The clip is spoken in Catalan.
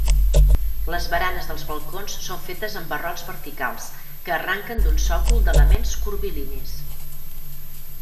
Les baranes dels balcons són fetes amb barrots verticals que arranquen d'un sòcol d'elements curvilinis.